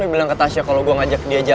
lu dari mana aja